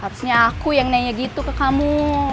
harusnya aku yang nanya gitu ke kamu